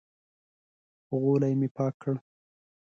غولی مې پاک کړ.